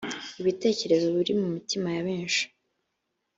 ibitekerezo biri mu mitima ya benshi.